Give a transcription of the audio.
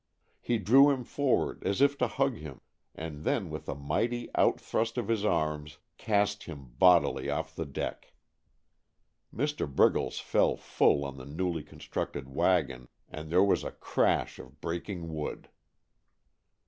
He drew him forward as if to hug him, and then, with a mighty out thrust of his arms, cast him bodily off the deck. Mr. Briggles fell full on the newly constructed wagon, and there was a crash of breaking wood.